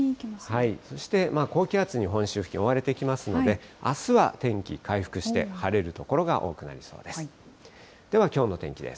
そして高気圧に本州付近、覆われてきますので、あすは天気、回復して、晴れる所が多くなりそうです。